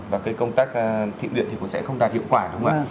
và cái công tác thiện nguyện thì cũng sẽ không đạt hiệu quả đúng không ạ